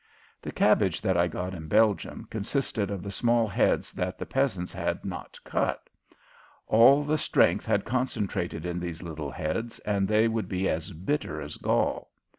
The cabbage that I got in Belgium consisted of the small heads that the peasants had not cut. All the strength had concentrated in these little heads and they would be as bitter as gall.